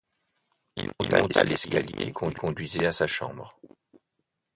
Il monta l'escalier qui conduisait à sa chambre.